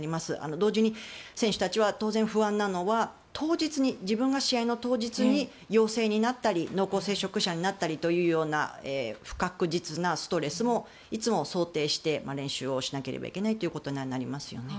同時に、選手たちが当然不安なのは自分が試合の当日に陽性になったり濃厚接触者になったりというような不確実なストレスもいつも想定して練習をしなければいけないということにはなりますよね。